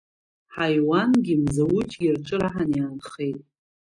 Ҳаиуангьы Мзауҷгьы рҿы раҳан иаанхет.